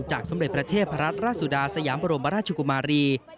จากสำเร็จประเทศพระรัฐราชสุดาสยามบรมบรชุกุมารี